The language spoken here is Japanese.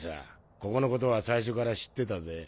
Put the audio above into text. ここのことは最初から知ってたぜ。